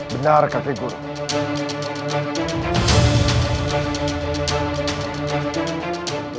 benar kakik guru